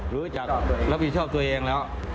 รู้จักรับผิดชอบตัวเองแล้ว